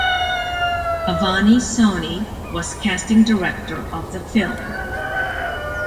Avani Soni was casting director of the film.